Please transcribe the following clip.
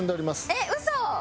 えっ嘘！